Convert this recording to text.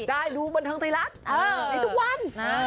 ได้ดูบนทั้งที่รัฐนี่ทุกวัน